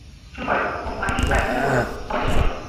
শুরু করো, ওহ ভাঙেনি, মাইক চিন্তা করো না, আবার চেষ্টা করো।